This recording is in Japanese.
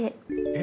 え？